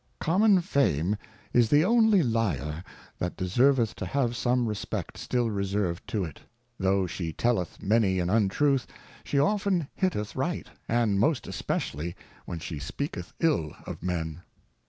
Common Fame is the only Lyar that deserveth to have some Respect still reserv'd to it ; tho she telleth many an Untruth, she often hitteth right, and most especially when she speaketh ill of men.